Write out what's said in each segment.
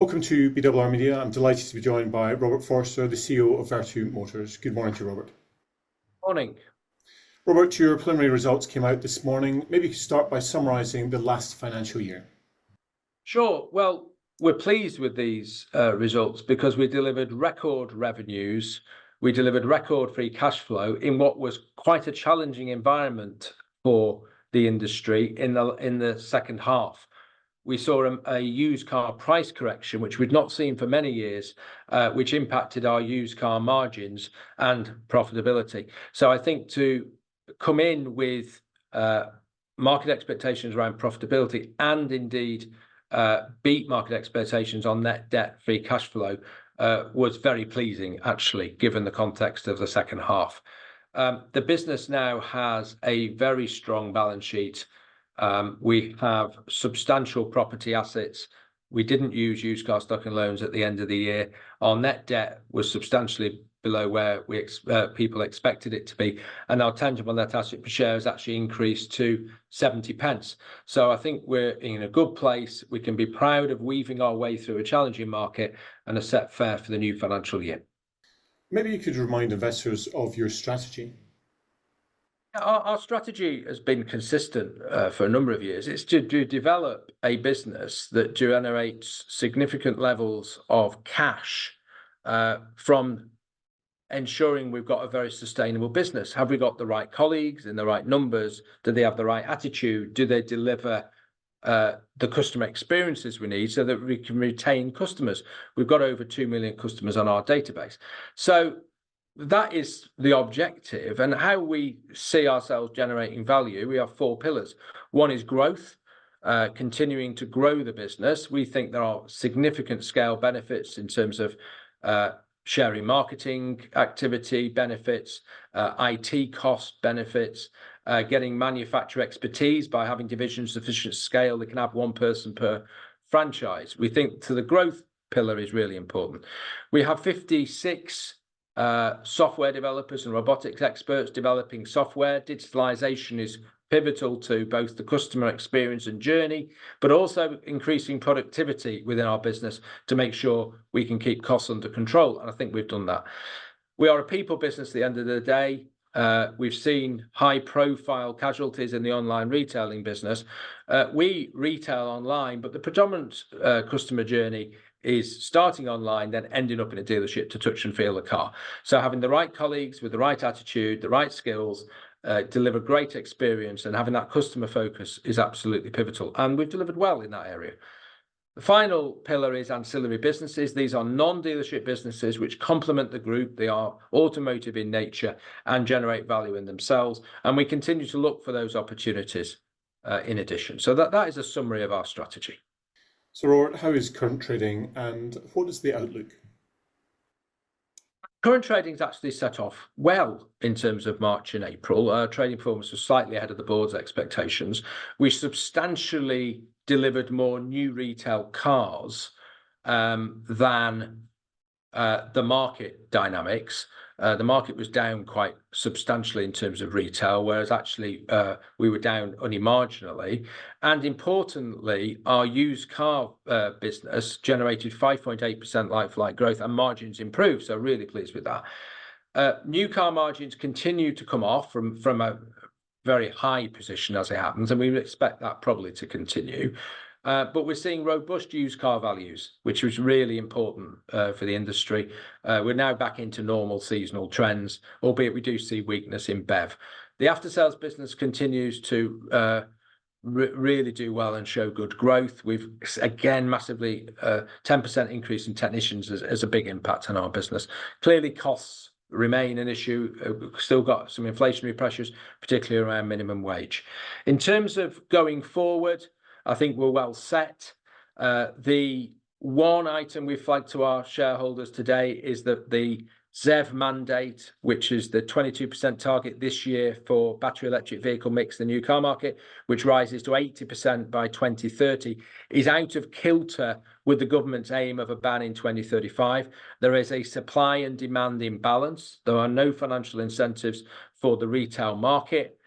Welcome to BRR Media. I'm delighted to be joined by Robert Forrester, the CEO of Vertu Motors. Good morning to Robert. Morning. Robert, your preliminary results came out this morning. Maybe you could start by summarizing the last financial year. Sure. Well, we're pleased with these results because we delivered record revenues. We delivered record free cash flow in what was quite a challenging environment for the industry in the second half. We saw a used car price correction, which we'd not seen for many years, which impacted our used car margins and profitability. So I think to come in with market expectations around profitability and indeed beat market expectations on net debt free cash flow was very pleasing, actually, given the context of the second half. The business now has a very strong balance sheet. We have substantial property assets. We didn't use used car stocking loans at the end of the year. Our net debt was substantially below where people expected it to be, and our tangible net asset per share has actually increased to 0.70. So I think we're in a good place. We can be proud of weaving our way through a challenging market and set fair for the new financial year. Maybe you could remind investors of your strategy. Our strategy has been consistent for a number of years. It's to develop a business that generates significant levels of cash from ensuring we've got a very sustainable business. Have we got the right colleagues in the right numbers? Do they have the right attitude? Do they deliver the customer experiences we need so that we can retain customers? We've got over 2 million customers on our database. So that is the objective. How we see ourselves generating value, we have four pillars. One is growth, continuing to grow the business. We think there are significant scale benefits in terms of sharing marketing activity benefits, IT cost benefits, getting manufacturer expertise by having divisions of efficient scale that can have one person per franchise. We think the growth pillar is really important. We have 56 software developers and robotics experts developing software. Digitalization is pivotal to both the customer experience and journey, but also increasing productivity within our business to make sure we can keep costs under control. I think we've done that. We are a people business at the end of the day. We've seen high-profile casualties in the online retailing business. We retail online, but the predominant customer journey is starting online, then ending up in a dealership to touch and feel the car. Having the right colleagues with the right attitude, the right skills, deliver great experience, and having that customer focus is absolutely pivotal. We've delivered well in that area. The final pillar is ancillary businesses. These are non-dealership businesses which complement the group. They are automotive in nature and generate value in themselves. We continue to look for those opportunities in addition. That is a summary of our strategy. Robert, how is current trading and what is the outlook? Current trading's actually set off well in terms of March and April. Trading forums were slightly ahead of the board's expectations. We substantially delivered more new retail cars than the market dynamics. The market was down quite substantially in terms of retail, whereas actually we were down only marginally. Importantly, our used car business generated 5.8% like-for-like growth and margins improved. So really pleased with that. New car margins continue to come off from a very high position as it happens, and we would expect that probably to continue. But we're seeing robust used car values, which was really important for the industry. We're now back into normal seasonal trends, albeit we do see weakness in BEV. The after-sales business continues to really do well and show good growth. We've again massively 10% increase in technicians as a big impact on our business. Clearly, costs remain an issue. Still got some inflationary pressures, particularly around minimum wage. In terms of going forward, I think we're well set. The one item we flagged to our shareholders today is that the ZEV Mandate, which is the 22% target this year for battery electric vehicle mix in the new car market, which rises to 80% by 2030, is out of kilter with the government's aim of a ban in 2035. There is a supply and demand imbalance. There are no financial incentives for the retail market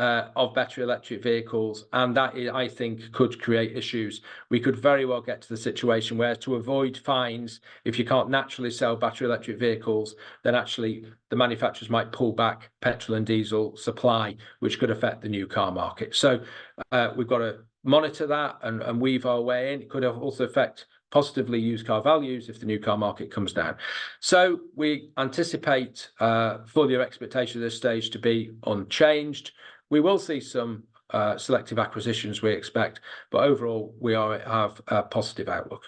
of battery electric vehicles, and that, I think, could create issues. We could very well get to the situation where, to avoid fines, if you can't naturally sell battery electric vehicles, then actually the manufacturers might pull back petrol and diesel supply, which could affect the new car market. So we've got to monitor that and weave our way in. It could also affect positively used car values if the new car market comes down. So we anticipate fully your expectation at this stage to be unchanged. We will see some selective acquisitions, we expect, but overall we have a positive outlook.